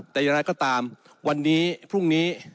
แต่อย่างไรก็ตามวันนี้พรุ่งนี้